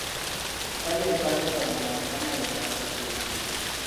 Ka mehla re tsamaya ka maeto a sekolo.